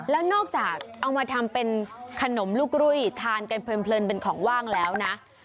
แล้วนอกจากเอามาทำเป็นขนมลูกรุยทานกันเพลินเป็นของว่างแล้วนะ